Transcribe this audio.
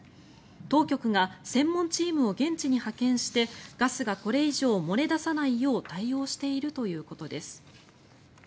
当局が専門チームを現地に派遣してガスがこれ以上漏れ出さないよう対応しているということです。